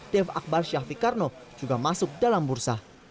dev akbar syafiqarno juga masuk dalam bursa